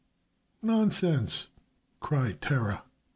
] "Nonsense," cried Terah.